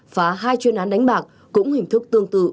phá hai chuyên án đánh bạc cũng hình thức tương tự